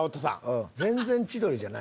全然千鳥じゃないやん。